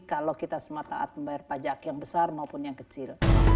kalau kita semua taat membayar pajak yang besar maupun yang kecil